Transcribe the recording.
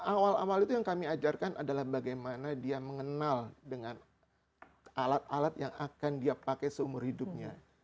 awal awal itu yang kami ajarkan adalah bagaimana dia mengenal dengan alat alat yang akan dia pakai seumur hidupnya